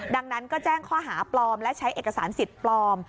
ดังนั้นก็แจ้งข้อหาปลอมและใช้เอกสารสิทธิ์ปลอม